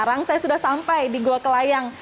nah sekarang saya sudah sampai di gua kelayang